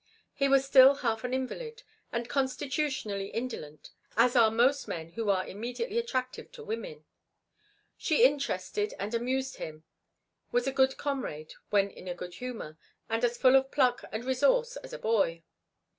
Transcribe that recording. He was still half an invalid, and constitutionally indolent, as are most men who are immediately attractive to women. She interested and amused him, was a good comrade when in a good humor, and as full of pluck and resource as a boy.